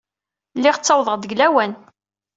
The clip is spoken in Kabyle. Lliɣ ttawḍeɣ-d deg lawan.